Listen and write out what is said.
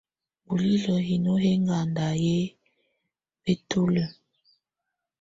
Bulilǝ́ hino hɛ́ ɛŋganda yɛ́ bǝ́tulǝ́.